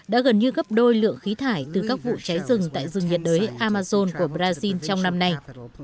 đã gần như gấp đôi lượng khí thải từ các vụ cháy rừng tại rừng nhiệt đới amazon của brazil trong năm nay